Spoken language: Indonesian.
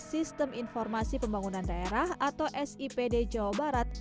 sistem informasi pembangunan daerah atau sipd jawa barat